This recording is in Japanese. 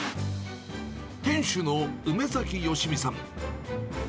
店主の梅崎よしみさん。